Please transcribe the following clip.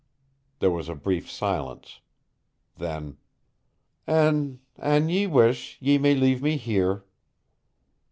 There was a brief silence. Then, "An ... an ye wish, ye may leave me here."